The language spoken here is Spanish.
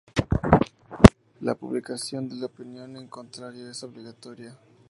La publicación de la opinión en contrario es obligatoria.